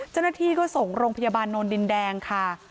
เจ้าหน้าที่ก็ส่งโรงพยาบาลโนนดินแดงค่ะ